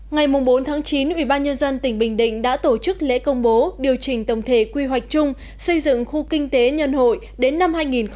ngày bốn chín ubnd tỉnh bình định đã tổ chức lễ công bố điều chỉnh tổng thể quy hoạch chung xây dựng khu kinh tế nhân hội đến năm hai nghìn ba mươi